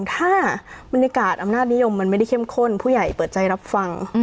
ถ้าบรรยากาศอำนาจนิยมมันไม่ได้เข้มข้นผู้ใหญ่เปิดใจรับฟัง